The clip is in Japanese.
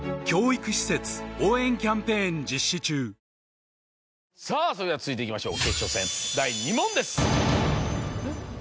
たけのこさぁそれでは続いていきましょう。